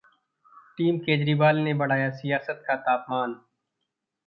team Kejriwal ने बढ़ाया सियासत का तापमान